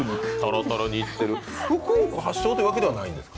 福岡発祥というわけではないんですか？